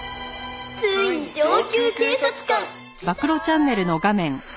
ついに上級警察官きたー！」